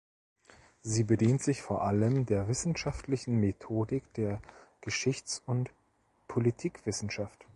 Sie bedient sich vor allem der wissenschaftlichen Methodik der Geschichts- und Politikwissenschaft.